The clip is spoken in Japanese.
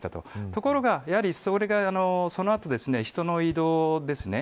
ところが、やはりそれがその後、人の移動ですね